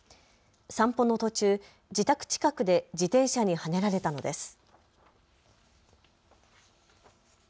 散歩の途中、自宅近くで自転車にはねられたのです。